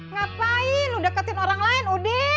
ngapain lu deketin orang lain udin